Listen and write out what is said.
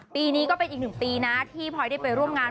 ปีนี้ก็เป็นอีกหนึ่งปีนะที่พลอยได้ไปร่วมงาน